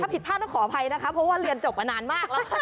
ถ้าผิดพลาดต้องขออภัยนะเพราะว่าเรียนจบมานานมาก